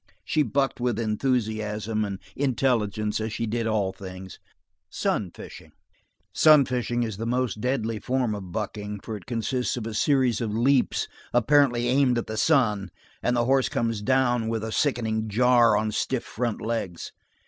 She bucked with enthusiasm and intelligence, as she did all things. Sun fishing, sun fishing is the most deadly form of bucking, for it consists of a series of leaps apparently aimed at the sun, and the horse comes down with a sickening jar on stiff front legs.